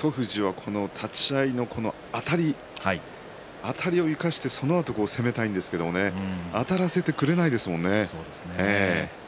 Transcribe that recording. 富士は立ち合いのこのあたりを生かしてそのあと攻めたいんですけどもあたらせてくれないですものね。